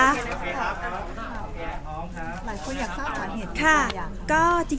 หลายคนอยากรอบถามเหตุมีอะไรอย่าง